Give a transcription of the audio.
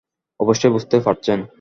অবশ্যই বুঝতে পারছেন।